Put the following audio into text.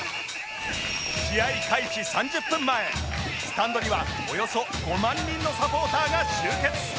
試合開始３０分前スタンドにはおよそ５万人のサポーターが集結